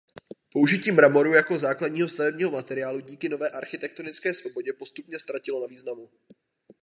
Použití mramoru jako základního stavebního materiálu díky nové architektonické svobodě postupně ztratilo na významu.